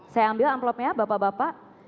saya ambil amplopnya bapak bapak